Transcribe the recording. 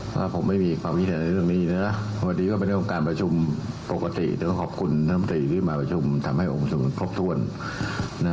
ว่าผมไม่มีความอินเสียในเรื่องนี้นะ